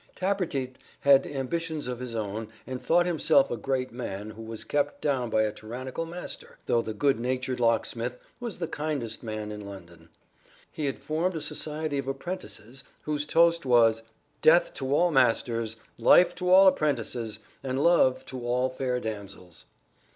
Tappertit had ambitions of his own and thought himself a great man who was kept down by a tyrannical master, though the good natured locksmith was the kindest man in London. He had formed a society of apprentices whose toast was, "Death to all masters, life to all apprentices, and love to all fair damsels!"